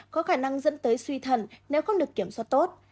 có khả năng dẫn tới suy thần nếu không được kiểm soát tốt